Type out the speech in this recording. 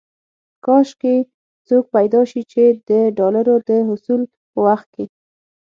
کاش کې څوک پيدا شي چې د ډالرو د حصول په وخت کې.